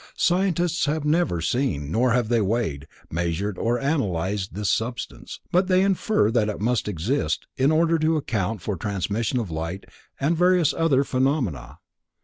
Scientists have never seen, nor have they weighed, measured or analyzed this substance, but they infer that it must exist in order to account for transmission of light and various other phenomena.